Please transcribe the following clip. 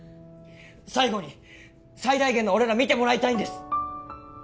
最後に最大限の俺ら見てもらいたいんです！